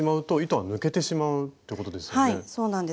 はいそうなんです。